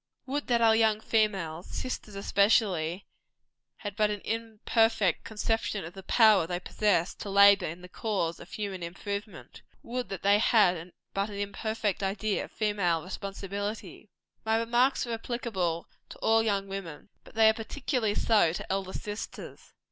Would that our young females sisters especially had but an imperfect conception of the power they possess to labor in the cause of human improvement! Would that they had but an imperfect idea of female responsibility! My remarks are applicable to all young women; but they are particularly so to elder sisters.